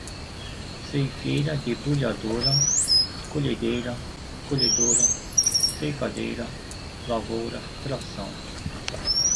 ceifeira debulhadora, colhedeira, colhedora, ceifadeira, lavouras, tração